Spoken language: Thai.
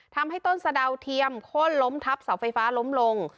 ทำให้ต้นสะดาวเทียมโค้นล้มทับเสาไฟฟ้าล้มลง